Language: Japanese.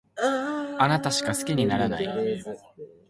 あなたしか好きにならない